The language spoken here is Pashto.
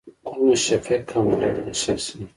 زه مشفق او مهربانه شخص یم